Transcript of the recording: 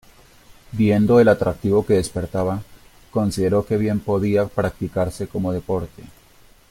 Viendo el atractivo que despertaba, consideró que bien podía practicarse como deporte.